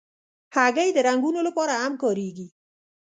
هګۍ د رنګونو لپاره هم کارېږي.